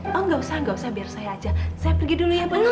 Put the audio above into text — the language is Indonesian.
oh gak usah gak usah biar saya aja saya pergi dulu ya bu